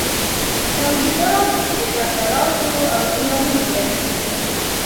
تولیدات د خطراتو او زیانونو ډک وي.